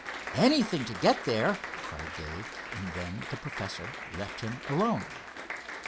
"Anything to get there!" cried Dave; and then the professor left him alone.